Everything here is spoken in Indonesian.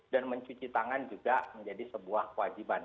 dan mencuci tangan juga menjadi sebuah kewajiban